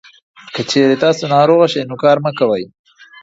که چېرې تاسو ناروغه شئ، نو کار مه کوئ.